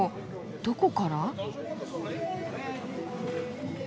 どこから？